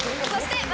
そして。